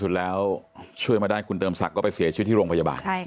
สุดแล้วช่วยมาด้านคุณเติมสักก็ไปเสียชีวิตที่โรงพยาบาลใช่ค่ะ